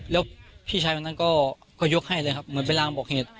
แล้วพี่ชายวันนั้นก็ยกให้เลยครับเหมือนเป็นรางบอกเหตุ